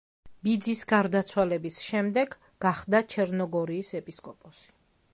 ბიძის გარდაცვალების შემდეგ გახდა ჩერნოგორიის ეპისკოპოსი.